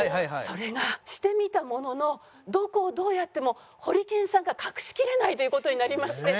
それがしてみたもののどこをどうやってもホリケンさんが隠しきれないという事になりまして。